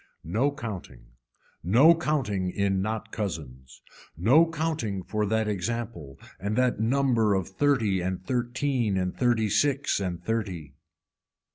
No counting, no counting in not cousins, no counting for that example and that number of thirty and thirteen and thirty six and thirty.